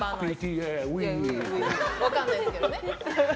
分からないですけどね。